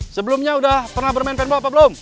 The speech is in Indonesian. sebelumnya udah pernah bermain fanball apa belum